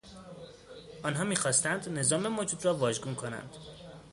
آنها میخواستند نظام موجود را واژگون کنند.